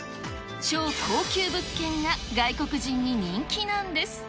超高級物件が外国人に人気なんです。